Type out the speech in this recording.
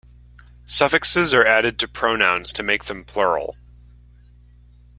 Suffixes are added to pronouns to make them plural.